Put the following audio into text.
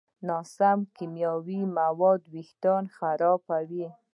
ناسم کیمیاوي مواد وېښتيان خرابوي.